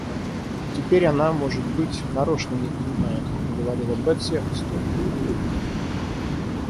Теперь она, может быть, нарочно не понимает, — говорила Бетси с тонкою улыбкой.